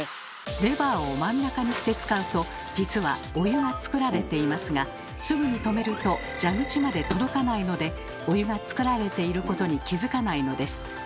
レバーを真ん中にして使うと実はお湯が作られていますがすぐに止めると蛇口まで届かないのでお湯が作られていることに気付かないのです。